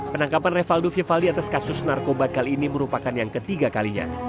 penangkapan revaldo vivaldi atas kasus narkoba kali ini merupakan yang ketiga kalinya